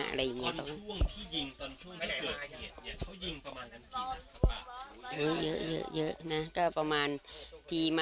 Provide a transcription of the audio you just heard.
ตอนช่วงที่ยิงตอนช่วงที่เกิดเกียรติเขายิงประมาณกันกี่นัดปะ